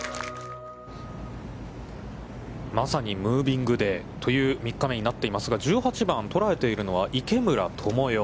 まさにムービングデーという３日目になっていますが、１８番、捉えているのは池村寛世。